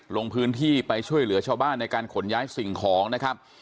ลงพื้นที่ไปช่วยเหลือชาวบ้านในการขนย้ายสิ่งของนะครับ